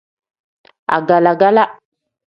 Agala-gala.